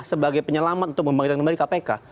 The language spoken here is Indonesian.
sebagai penyelamat untuk membangkitkan kembali kpk